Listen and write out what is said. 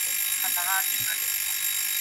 د مطالعې تنده هيڅکله نه ماتېدونکې ده.